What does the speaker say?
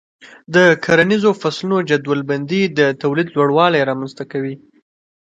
د کرنیزو فصلونو جدول بندي د تولید لوړوالی رامنځته کوي.